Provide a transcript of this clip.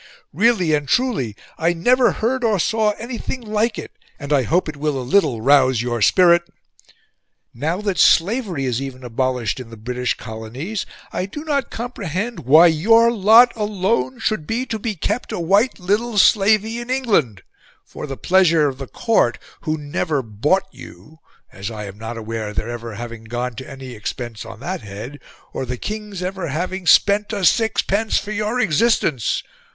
Really and truly I never heard or saw anything like it, and I hope it will a LITTLE ROUSE YOUR SPIRIT; now that slavery is even abolished in the British Colonies, I do not comprehend WHY YOUR LOT ALONE SHOULD BE TO BE KEPT A WHITE LITTLE SLAVEY IN ENGLAND, for the pleasure of the Court, who never bought you, as I am not aware of their ever having gone to any expense on that head, or the King's ever having SPENT A SIXPENCE FOR YOUR EXISTENCE...